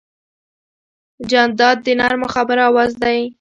جانداد د نرمو خبرو آواز دی.